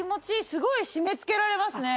すごい締めつけられますね。